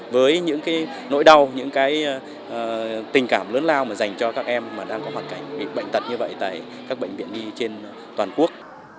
với những nỗi đau những tình cảm lớn lao mà dành cho các em đang có hoạt cảnh bệnh tật như vậy tại các bệnh viện nhi trên toàn quốc